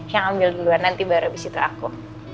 yang ambil duluan nanti baru abis itu aku